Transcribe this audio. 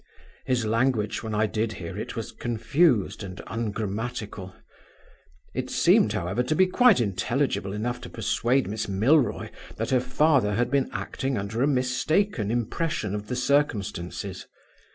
His language, when I did hear it, was confused and ungrammatical. It seemed, however, to be quite intelligible enough to persuade Miss Milroy that her father had been acting under a mistaken impression of the circumstances.